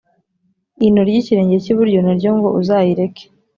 ino ry’ikirenge cyiburyo naryo ngo uzayireke"